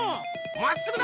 まっすぐだ！